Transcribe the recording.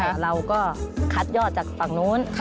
แต่เราก็คัดยอดจากฝั่งนู้น